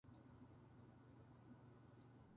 弥生時代は水耕栽培で行う稲作が日本全国に広まりました。